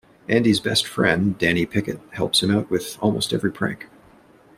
Andy's best friend, Danny Pickett, helps him out with almost every prank.